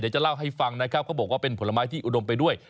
จะเล่าให้ฟังนะครับเขาบอกว่าเป็นผลไม้ที่อุดมไปด้วย